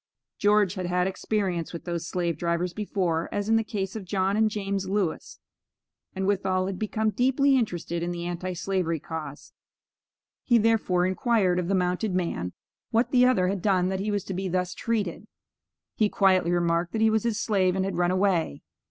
George had had experience with those slave drivers before, as in the case of John and James Lewis, and withal had become deeply interested in the Anti slavery cause. He, therefore, inquired of the mounted man, what the other had done that he was to be thus treated. He quietly remarked that he was his slave and had run away.